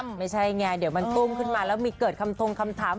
ไม่ใช่ไงเดี๋ยวมันตุ้มขึ้นมาแล้วมีเกิดคำทงคำถาม